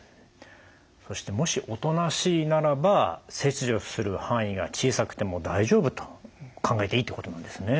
そしてもしおとなしいならば切除する範囲が小さくても大丈夫と考えていいってことなんですね。